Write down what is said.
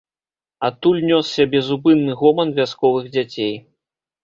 Адтуль нёсся безупынны гоман вясковых дзяцей.